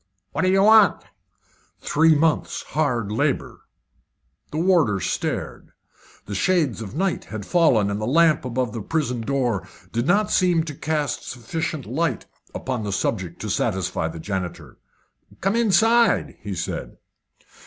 "What do you want?" "Three months' hard labour." The warder stared. The shades of night had fallen, and the lamp above the prison door did not seem to cast sufficient light upon the subject to satisfy the janitor. "Come inside," he said.